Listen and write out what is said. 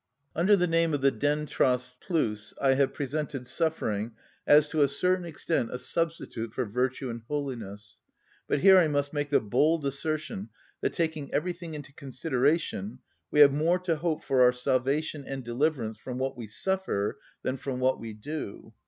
Under the name of the δεντρος πλους I have presented suffering as to a certain extent a substitute for virtue and holiness; but here I must make the bold assertion that, taking everything into consideration, we have more to hope for our salvation and deliverance from what we suffer than from what we do.